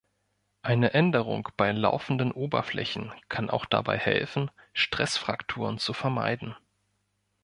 Eine Änderung bei laufenden Oberflächen kann auch dabei helfen, Stressfrakturen zu vermeiden.